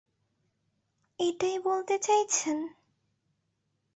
এটাই বলতে চাইছেন?